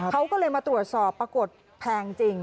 เขาก็เลยมาตรวจสอบปรากฏแพงจริง